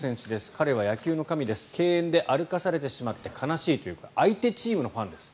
彼は野球の神です敬遠で歩かされてしまって悲しいと相手チームのファンです。